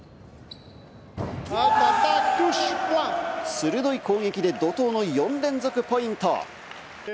鋭い攻撃で怒涛の４連続ポイント！